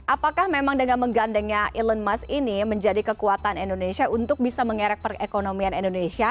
apakah memang dengan menggandengnya elon musk ini menjadi kekuatan indonesia untuk bisa mengerek perekonomian indonesia